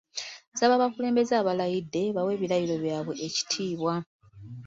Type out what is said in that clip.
Nsaba abakulembeze abalayidde bawe ebirayiro byabwe ekitiibwa .